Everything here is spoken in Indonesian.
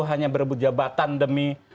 hanya berebut jabatan demi